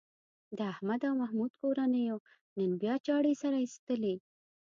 د احمد او محمود کورنیو نن بیا چاړې سره ایستلې.